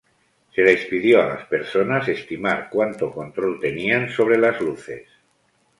Se les pidió a las personas estimar cuánto control tenían sobre las luces.